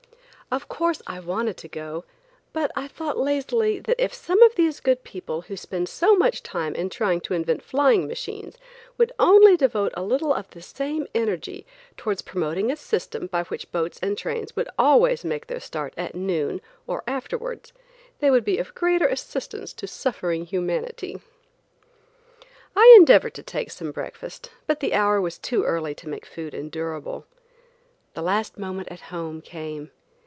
Of course I wanted to go, but I thought lazily that if some of these good people who spend so much time in trying to invent flying machines would only devote a little of the same energy towards promoting a system by which boats and trains would always make their start at noon or afterwards, they would be of greater assistance to suffering humanity. I endeavored to take some breakfast, but the hour was too early to make food endurable. The last moment at home came.